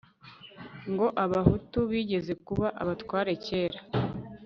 ngo abahutu bigeze kuba abatware kera